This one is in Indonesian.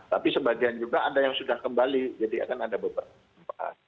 tapi sebagian juga ada yang sudah kembali jadi akan ada beberapa